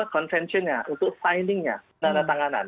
convention nya untuk signing nya dana tanganan